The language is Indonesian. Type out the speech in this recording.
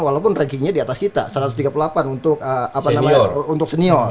walaupun rankingnya di atas kita satu ratus tiga puluh delapan untuk senior